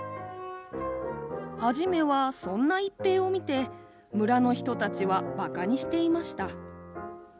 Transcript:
初めは、そんな一平を見て村の人たちはばかにしていました。